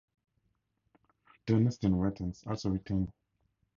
The Ernestine Wettins also retained the title of Elector.